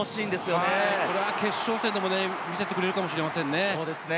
これは決勝戦でも見せてくれるかもしれませんね。